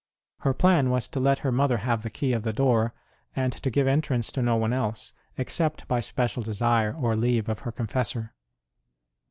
Her plan was to let her mother have the key of the door, and to give entrance to no one else, except by special desire or leave of her confessor.